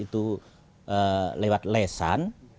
tutur itu lewat lesan